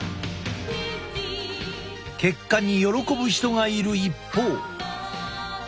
結果に喜ぶ人がいる一方。